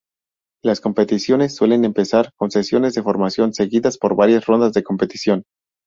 Las competiciones suelen empezar con sesiones de formación, seguidas por varias rondas de competición.